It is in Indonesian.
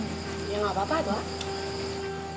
ya tidak apa apa pak